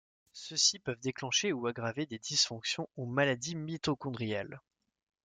Ceux-ci peuvent déclencher ou aggraver des dysfonctions ou maladies mitochondriales.